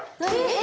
え？